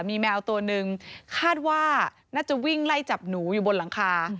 มีแมวตัวหนึ่งคาดว่าน่าจะวิ่งไล่จับหนูอยู่บนหลังคา